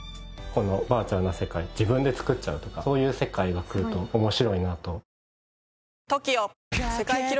このバーチャルな世界自分で作っちゃうとかそういう世界が来ると面白いなと。